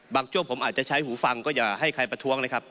ช่วงผมอาจจะใช้หูฟังก็อย่าให้ใครประท้วงนะครับ